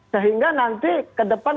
sehingga nanti ke depan